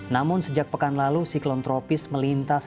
namun sejak pekan lalu siklon tropis melintas